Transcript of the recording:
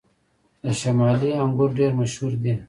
د شمالي انګور ډیر مشهور دي